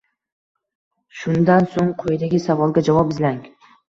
Shundan so‘ng quyidagi savolga javob izlang.